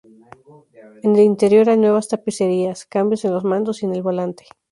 En el interior hay nuevas tapicerías, cambios en los mandos y en el volante.